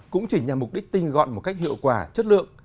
cũng chỉ nhằm mục đích tinh gọn một cách hiệu quả chất lượng